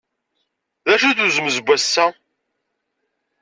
D acu-t uzemz n wass-a?